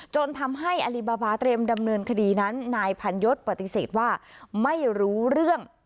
จนทำให้อลิบาบาเตรียมดำเนินคดีนั้นนายพันยศปฏิเสธว่าไม่รู้เรื่อง